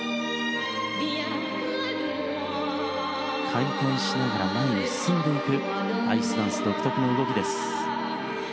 回転しながら前に進んでいくアイスダンス独特の動きです。